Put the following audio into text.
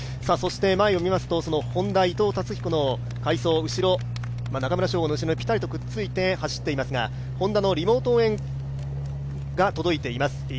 そして前を見ますと、Ｈｏｎｄａ、伊藤達彦の快走、中村匠吾の後ろにぴたりとくっついて走っていますが、Ｈｏｎｄａのリモート応援が届いています。